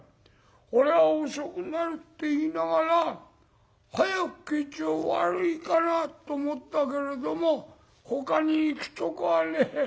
俺は遅くなるって言いながら早く帰っちゃ悪いかなと思ったけれどもほかに行くとこはねえ。